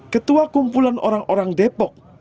ketua kumpulan orang orang depok